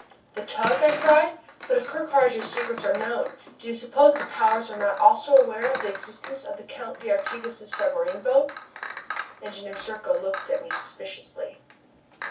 "The tug?" I cried. "But if Ker Karraje's secrets are known, do you suppose the powers are not also aware of the existence of the Count d'Artigas' submarine boat?" Engineer Serko looked at me suspiciously.